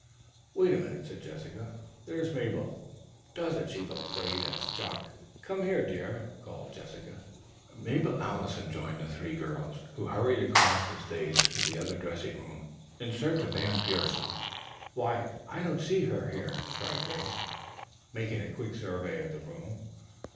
"Wait a minute," said Jessica. "There's Mabel. Doesn't she look great as Jaques? Come here, dear," called Jessica. Mabel Allison joined the three girls, who hurried across the stage to the other dressing room in search of Anne Pierson. "Why, I don't see her here," cried Grace, making a quick survey of the room.